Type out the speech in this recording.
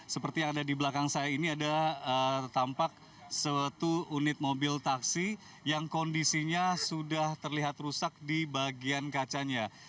seperti yang ada di belakang saya ini ada tampak suatu unit mobil taksi yang kondisinya sudah terlihat rusak di bagian kacanya